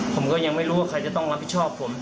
ผมก็ยังไม่รู้ว่าใครจะต้องรับผิดชอบผม